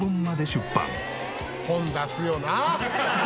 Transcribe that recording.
出すよな